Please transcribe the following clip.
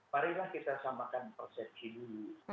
marilah kita samakan persepsi dulu